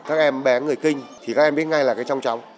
các em bé người kinh thì các em biết ngay là cái trong cháu